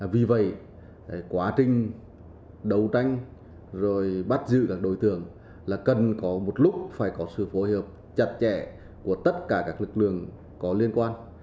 vì vậy quá trình đấu tranh rồi bắt giữ các đối tượng là cần có một lúc phải có sự phối hợp chặt chẽ của tất cả các lực lượng có liên quan